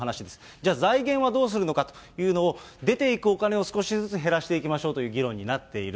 じゃあ、財源はどうするのかということの、出ていくお金を少しずつ減らしていきましょうという議論になっている。